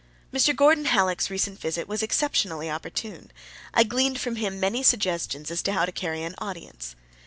Mr. Gordon Hallock's recent visit was exceptionally opportune; I gleaned from him many suggestions as to how to carry an audience.